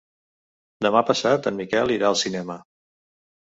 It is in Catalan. Demà passat en Miquel irà al cinema.